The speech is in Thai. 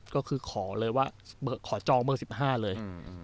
ก็คือขอเลยว่าขอจองเบอร์๑๕เลย